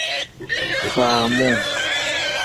Faamuu.